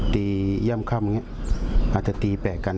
ย่ำค่ำอย่างนี้อาจจะตีแตกกัน